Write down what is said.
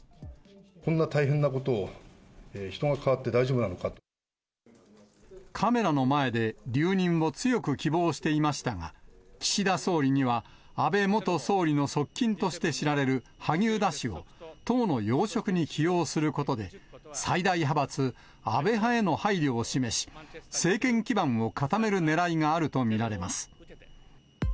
こんな大変なことを、カメラの前で、留任を強く希望していましたが、岸田総理には安倍元総理の側近として知られる萩生田氏を、党の要職に起用することで、最大派閥、安倍派への配慮を示し、政権基盤を固めるねらいがあると見られます。